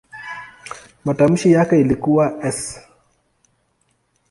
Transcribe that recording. Matamshi yake ilikuwa "s".